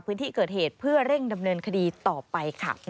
พื้นที่เกิดเหตุเพื่อเร่งดำเนินคดีต่อไปค่ะ